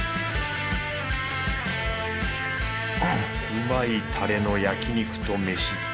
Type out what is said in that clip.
うまいタレの焼き肉と飯。